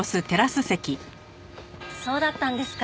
そうだったんですか。